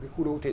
khu đô thị